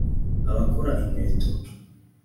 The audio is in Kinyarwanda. abakora inkweto